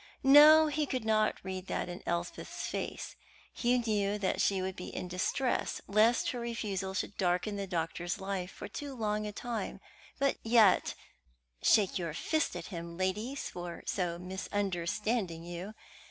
No, he could not read that in Elspeth's face. He knew that she would be in distress lest her refusal should darken the doctor's life for too long a time; but yet (shake your fist at him, ladies, for so misunderstanding you!)